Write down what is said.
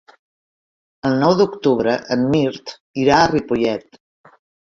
El nou d'octubre en Mirt irà a Ripollet.